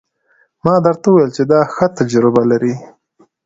ما درته وويل چې دا ښه تجربه لري.